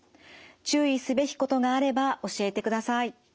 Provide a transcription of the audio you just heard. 注意すべきことがあれば教えてください。